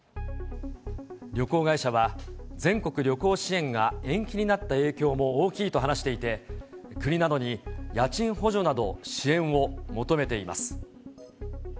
旅行会社は、全国旅行支援が延期になった影響も大きいと話していて、国などに家賃補助など支援を求めています。